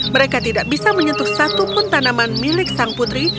mereka tidak bisa menyentuh satupun tanaman milik sang putri